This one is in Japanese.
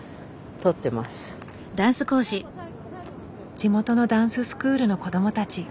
地元のダンススクールの子どもたち。